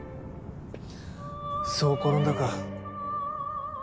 そう転んだか。